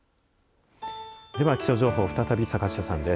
では、気象情報再び坂下さんです。